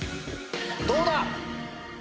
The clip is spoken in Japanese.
どうだ？